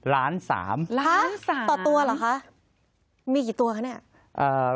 ล้านสามล้านสามต่อตัวเหรอคะมีกี่ตัวคะเนี้ยอ่า